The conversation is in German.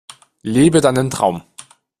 Lebe deinen Traum!